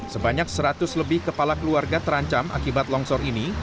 sebanyak seratus lebih kepala keluarga terancam akibat longsor ini